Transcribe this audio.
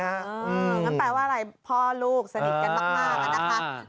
งั้นแปลว่าอะไรพ่อลูกสนิทกันมากอะนะคะ